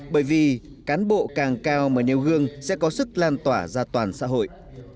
bởi vì cán bộ càng cao mà nêu gương sẽ có sức lan tỏa ra toàn xã hội